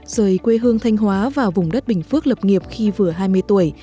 rời quê hương thanh hóa vào vùng đất bình phước lập nghiệp khi vừa hai mươi tuổi